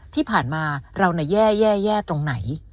ที่ผ่านมาเราแย่ตรงไหน